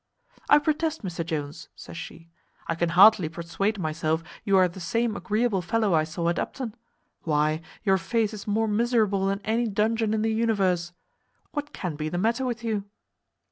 "I protest, Mr Jones," says she, "I can hardly persuade myself you are the same agreeable fellow I saw at Upton. Why, your face is more miserable than any dungeon in the universe. What can be the matter with you?"